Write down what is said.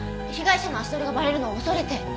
被害者の足取りがバレるのを恐れて。